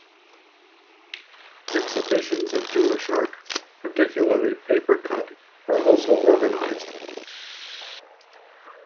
Exhibitions of Jewish art, particularly paper-cut, are also organized.